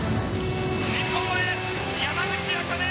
日本のエース山口茜